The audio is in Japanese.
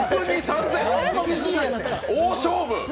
大勝負！